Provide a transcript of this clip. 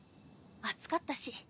暑かったし。